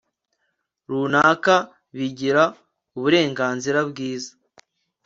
runaka bigira uburenganzira bwiza